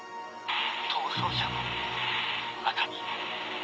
逃走者の中に。